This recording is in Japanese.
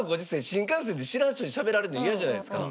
新幹線で知らん人にしゃべられるのイヤじゃないですか。